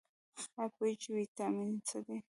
ایا پوهیږئ چې ویټامین څه دي؟